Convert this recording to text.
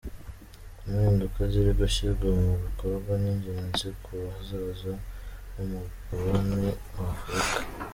Impinduka ziri gushyirwa mu bikorwa ni ingenzi ku hazaza h’umugabane wa Afurika.